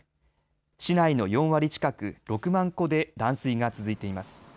市内の４割近く、６万戸で断水が続いています。